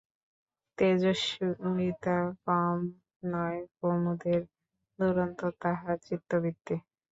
তেজস্বিতা কম নয় কুমুদের, দুরন্ত তাহার চিত্তবৃত্তি।